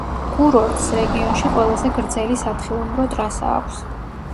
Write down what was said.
კურორტს რეგიონში ყველაზე გრძელი სათხილამურო ტრასა აქვს.